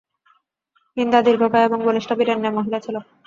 হিন্দা দীর্ঘকায় এবং বলিষ্ঠ বীরের ন্যায় মহিলা ছিল।